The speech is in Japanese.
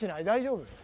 大丈夫？